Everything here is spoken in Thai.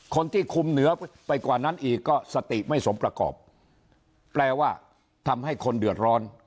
คนที่คุมเหนือไปกว่านั้นอีกก็สติไม่สมประกอบแปลว่าทำให้คนเดือดร้อน